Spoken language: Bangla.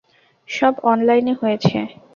সব অনলাইনে হয়েছে।